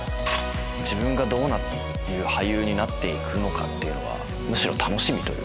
自分がどういう俳優になって行くのかむしろ楽しみ。